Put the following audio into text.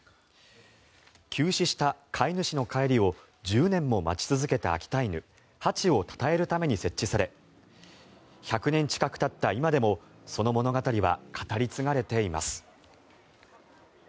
急死した飼い主の帰りを１０年も待ち続けた秋田犬ハチをたたえるために設置され１００年近くたった今でもその物語は語り継がれています。